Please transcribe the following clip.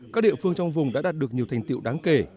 các địa phương trong vùng đã đạt được nhiều thành tiệu đáng kể